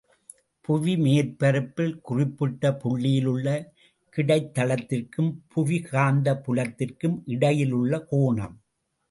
புவி மேற்பரப்பில் குறிப்பிட்ட புள்ளியிலுள்ள கிடைத் தளத்திற்கும் புவிக்காந்தப் புலத்திற்கும் இடையிலுள்ள கோணம்.